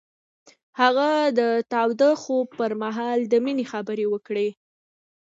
هغه د تاوده خوب پر مهال د مینې خبرې وکړې.